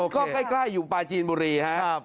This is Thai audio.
ก็ใกล้อยู่ปลาจีนบุรีครับ